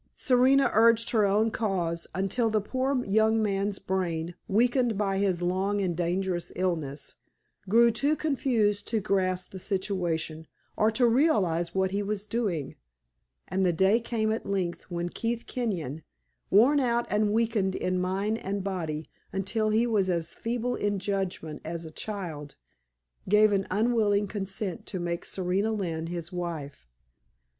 Serena urged her own cause until the poor young man's brain, weakened by his long and dangerous illness, grew too confused to grasp the situation or to realize what he was doing; and the day came at length when Keith Kenyon, worn out and weakened in mind and body until he was as feeble in judgment as a child, gave an unwilling consent to make Serena Lynne his wife.